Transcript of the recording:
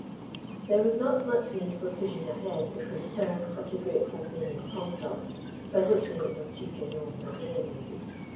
There was not much need for pushing ahead the concerns of the Great Tasmanian Comstock, by which name it was chiefly known and designated.